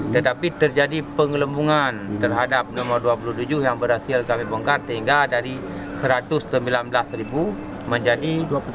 tetapi terjadi pengelembungan terhadap nomor dua puluh tujuh yang berhasil kami bongkar sehingga dari satu ratus sembilan belas menjadi dua puluh tujuh